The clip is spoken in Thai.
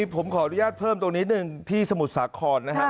ผมขออนุญาตเพิ่มตรงนี้หนึ่งที่สมุทรสาครนะฮะ